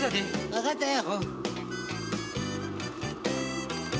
分かったよ。